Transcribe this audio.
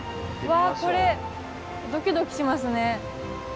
わこれドキドキしますね。